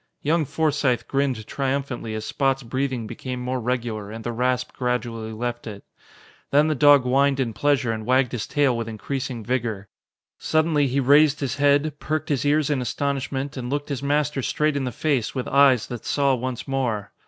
Young Forsythe grinned triumphantly as Spot's breathing became more regular and the rasp gradually left it. Then the dog whined in pleasure and wagged his tail with increasing vigor. Suddenly he raised his head, perked his ears in astonishment and looked his master straight in the face with eyes that saw once more.